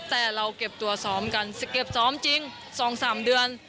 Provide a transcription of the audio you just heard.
แต่เราเก็บตัวซ้อมกันเก็บซ้อมจริง๒๓เดือน